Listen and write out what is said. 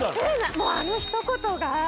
もうあのひと言が。